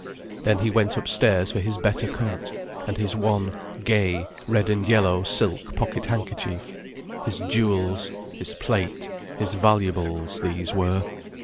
Then he went up stairs for his better coat, and his one, gay, red and yellow silk pocket handkerchief his jewels, his plate, his valuables, these were.